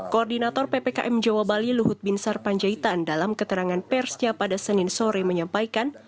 koordinator ppkm jawa bali luhut bin sarpanjaitan dalam keterangan persnya pada senin sore menyampaikan